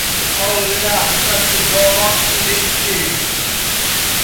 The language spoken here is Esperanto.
Al la stacidomo ili iris.